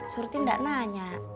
surti gak nanya